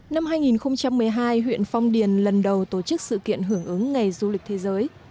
năm hai nghìn một mươi hai huyện phong điền lần đầu tổ chức sự kiện hưởng ứng ngày du lịch thế giới